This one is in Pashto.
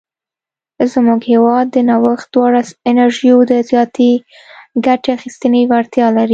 زموږ هیواد د نوښت وړ انرژیو د زیاتې ګټې اخیستنې وړتیا لري.